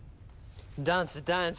ダンスダンス！